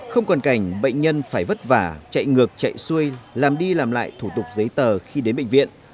không còn cảnh bệnh nhân phải vất vả chạy ngược chạy xuôi làm đi làm lại thủ tục giấy tờ khi đến bệnh viện